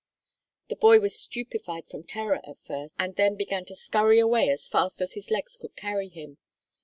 The boy was stupefied from terror at first and then began to scurry away as fast as his legs could carry him.